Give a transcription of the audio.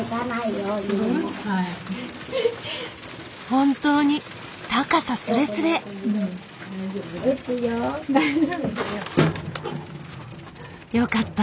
本当に高さすれすれ！よかった！